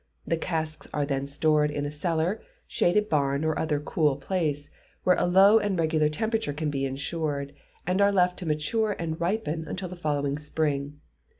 The casks are then stored in a cellar, shaded barn, or other cool place, where a low and regular temperature can be insured, and are left to mature and ripen until the following spring.